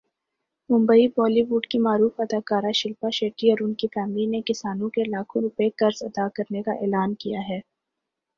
Mumbai Bollywood کی معروف اداکارہ شلپا شیٹھی اور اُن کی فیملی نے کسانوں کے لاکھوں روپے قرض ادا کرنے کا اعلان کیا ہے